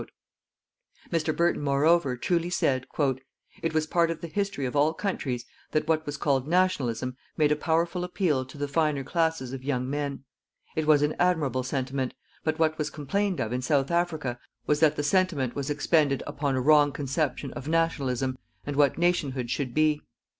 Mr. Burton, moreover, truly said: "_It was part of the history of all countries that what was called "Nationalism" made a powerful appeal to the finer classes of young men. It was an admirable sentiment, but what was complained of in South Africa was that the sentiment was expended upon a wrong conception of "nationalism" and what nationhood should be.